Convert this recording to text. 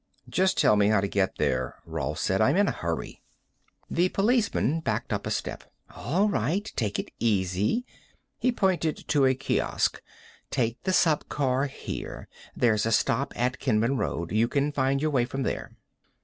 "Just tell me how to get there," Rolf said. "I'm in a hurry." The policeman backed up a step. "All right, take it easy." He pointed to a kiosk. "Take the subcar here. There's a stop at Kenman Road. You can find your way from there."